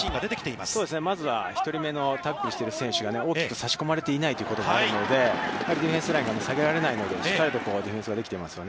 まずは１人目のタックルしている選手が、大きく差し込まれていないということがあるので、ディフェンスラインが下げられないので、しっかりとここはディフェンスができていますよね。